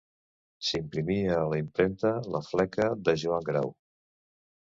S'imprimia a la Impremta La Fleca, de Joan Grau.